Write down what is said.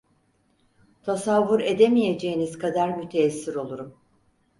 Tasavvur edemeyeceğiniz kadar müteessir olurum.